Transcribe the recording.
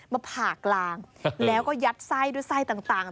ผ่ากลางแล้วก็ยัดไส้ด้วยไส้ต่าง